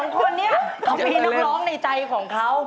ก็มีนักร้องในใจของเขา